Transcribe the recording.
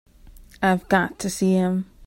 I've got to see him.